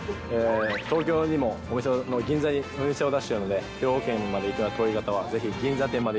東京にもお店、銀座にお店を出しているので、兵庫県まで行くのが遠い方はぜひ銀座店まで。